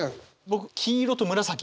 僕黄色と紫。